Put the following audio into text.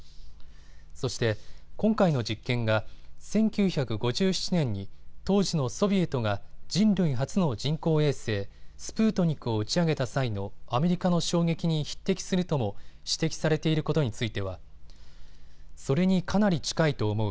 そして今回の実験が１９５７年に当時のソビエトが人類初の人工衛星、スプートニクを打ち上げた際のアメリカの衝撃に匹敵するとも指摘されていることについてはそれにかなり近いと思う。